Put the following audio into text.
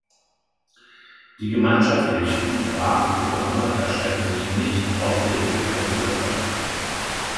Die gemeinschaftlichen Rahmenprogramme erstrecken sich nicht auf die Entwicklungsländer.